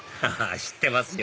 知ってますよ